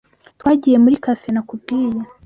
Twagiye muri café nakubwiye.